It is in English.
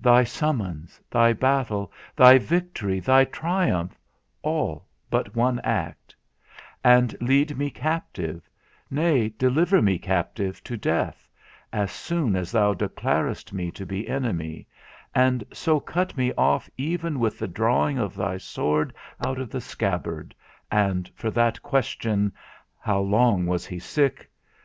Thy summons, thy battle, thy victory, thy triumph, all but one act; and lead me captive, nay, deliver me captive to death, as soon as thou declarest me to be enemy, and so cut me off even with the drawing of thy sword out of the scabbard, and for that question, How long was he sick?